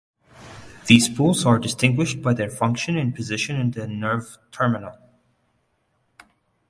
These pools are distinguished by their function and position in the nerve terminal.